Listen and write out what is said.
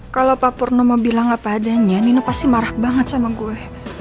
kalau pak purno mau bilang apa adanya nina pasti marah banget sama gue